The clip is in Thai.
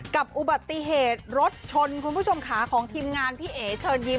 กับอุบัติเหตุรถชนคุณผู้ชมขาของทีมงานพี่เอ๋เชิญยิ้